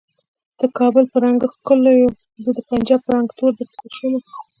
ته د کابل په رنګه ښکولیه زه د پنجاب په رنګ تور درپسې شومه